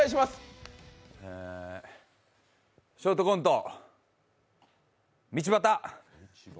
ショートコント、道端。